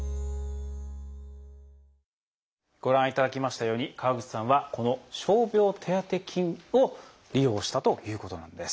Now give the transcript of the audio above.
ご覧いただきましたように川口さんはこの傷病手当金を利用したということなんです。